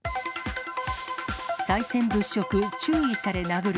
さい銭物色、注意され殴る。